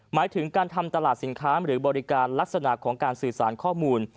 หมายถึงการทำตลาดสินค้าหรือบริการลักษณะของการสื่อสารข้อมูล